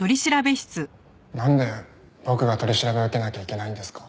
なんで僕が取り調べを受けなきゃいけないんですか？